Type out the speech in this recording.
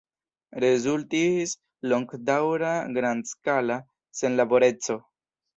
Rezultis longdaŭra grandskala senlaboreco.